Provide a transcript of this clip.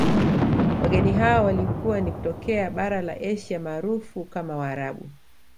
Wageni hao walikuwa ni kutokea bara la Asia maarufu kama waarabu